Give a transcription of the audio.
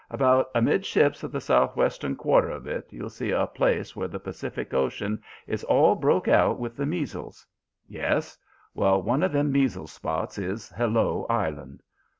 About amidships of the sou'western quarter of it you'll see a place where the Pacific Ocean is all broke out with the measles. Yes; well, one of them measle spots is Hello Island.